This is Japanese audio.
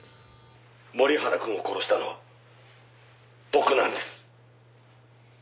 「森原くんを殺したのは僕なんです」